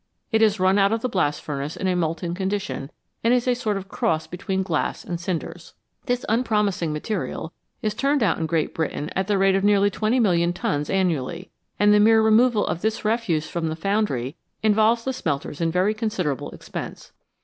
It is run out of the blast furnace in a molten condition and is a sort of cross between glass and cinders. This unpromising material is turned out in Great Britain at the rate of nearly twenty million tons annually, and the mere re moval of this refuse from the foundry involves the smelters in very considerable expense.